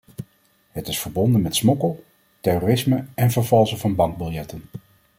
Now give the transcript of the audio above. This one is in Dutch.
Het is verbonden met smokkel, terrorisme en vervalsen van bankbiljetten.